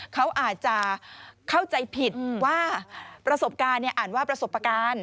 เขาอาจจะเข้าใจผิดว่าประสบการณ์อ่านว่าประสบการณ์